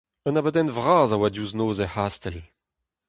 Un abadenn vras a oa diouzh noz er c'hastell.